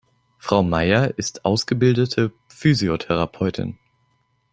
Frau Maier ist ausgebildete Physiotherapeutin.